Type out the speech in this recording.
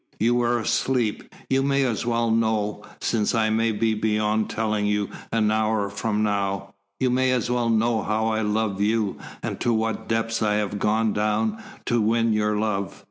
You were asleep. You may as well know, since I may be beyond telling you an hour from now. You may as well know how I love you, and to what depths I have gone down to win your love."